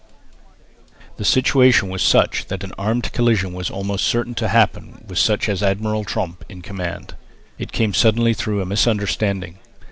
The situation was such that an armed collision was almost certain to happen with such an admiral as Tromp in command. It came suddenly through a misunderstanding.